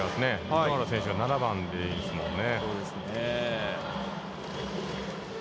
糸原選手が７番ですもんね。